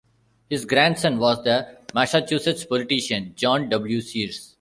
His grandson was the Massachusetts politician John W. Sears.